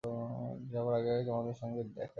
যাবার আগে তোমাদের সঙ্গে দেখা করব।